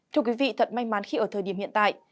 thưa quý vị thật may mắn khi ở thời điểm hiện tại